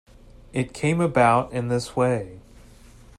It came about in this way.